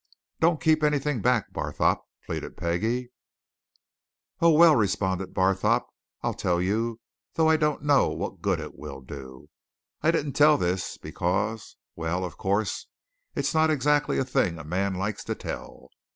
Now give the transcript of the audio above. "Don't keep anything back, Barthorpe," pleaded Peggie. "Oh, well!" responded Barthorpe. "I'll tell you, though I don't know what good it will do. I didn't tell this, because well, of course, it's not exactly a thing a man likes to tell.